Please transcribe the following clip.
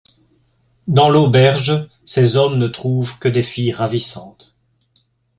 Dans l'auberge, ses hommes ne trouvent que des filles ravissantes.